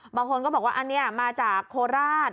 บางคนก็บอกว่าอันนี้มาจากโคราช